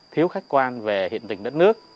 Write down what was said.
thiếu khách quan về hiện tình đất nước